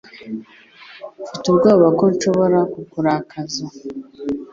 Mfite ubwoba ko nshobora kukurakaza.